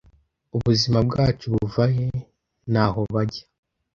Ubuzima bwacu buva he n'aho bajya.